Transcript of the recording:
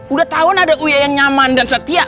udah tahun ada uya yang nyaman dan setia